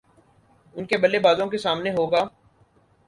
ان کے بلے بازوں کے سامنے ہو گا